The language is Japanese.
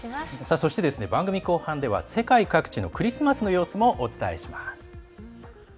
そして、番組後半では世界各地でのクリスマスの様子もお伝えします。